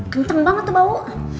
kenceng banget tuh bau